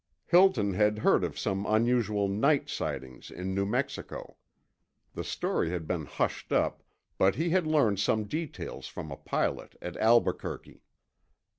Hilton had heard of some unusual night sightings in New Mexico. The story had been hushed up, but he had learned some details from a pilot at Albuquerque.